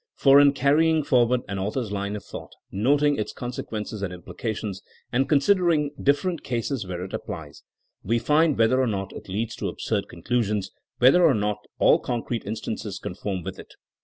For in carrying forward an author's line of thought, noting its consequences and implications and considering different cases where it applies, we find whether or not it leads to absurd conclu sions ; whether or not aU concrete instances con form with it.